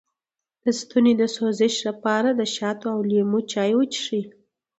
د ستوني د سوزش لپاره د شاتو او لیمو چای وڅښئ